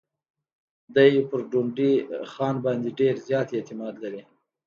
دی پر ډونډي خان باندي ډېر زیات اعتماد لري.